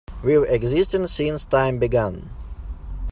We've existed since time began.